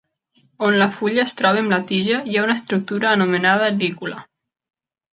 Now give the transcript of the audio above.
On la fulla es troba amb la tija hi ha una estructura anomenada lígula.